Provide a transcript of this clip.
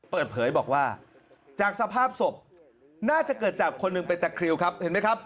เปิดเผยบอกว่าจากสภาพศพน่าจะเกิดจากคนหนึ่งเป็นตะคริวครับเห็นไหมครับ